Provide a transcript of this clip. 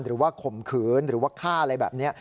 ข่มขืนหรือว่าฆ่าอะไรแบบนี้